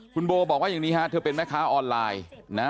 คุณโบบอกว่าอย่างนี้ฮะเธอเป็นแม่ค้าออนไลน์นะ